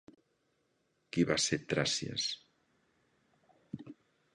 Qui va ser Tràsies?